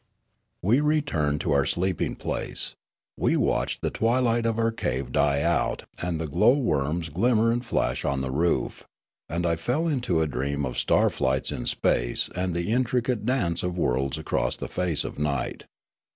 We returned to our sleeping place. We watched the twilight of our cave die out and the glowworms glim mer and flash on the roof ; and I fell into a dream of starflights in space and the intricate dance of worlds across the face of night.